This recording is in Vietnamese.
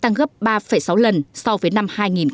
tăng gấp ba sáu lần so với năm hai nghìn một mươi